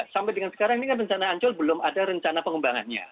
sampai dengan sekarang ini kan rencana ancol belum ada rencana pengembangannya